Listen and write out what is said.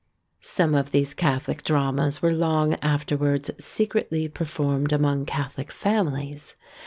Some of these Catholic dramas were long afterwards secretly performed among Catholic families.